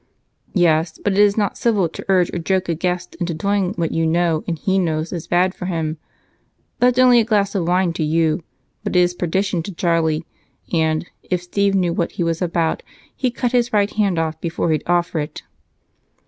"Yes, but it is not civil to urge or joke a guest into doing what you know and he knows is bad for him. That's only a glass of wine to you, but it is perdition to Charlie, and if Steve knew what he was about, he'd cut his right hand off before he'd offer it."